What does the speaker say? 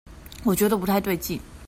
我覺得不太對勁